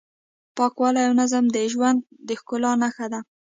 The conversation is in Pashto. پاکوالی او نظم د ژوند د ښکلا نښه ده.